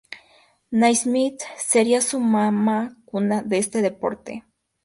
Naismith sería su Mama cuna de este deporte.